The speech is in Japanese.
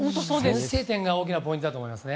先制点が大きなポイントだと思います。